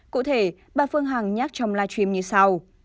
cụ thể bà phương hằng nhắc trong live stream như sau